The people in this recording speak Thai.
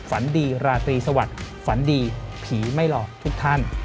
ฝันดีราตรีสวัสดิ์ฝันดีผีไม่หลอกทุกท่าน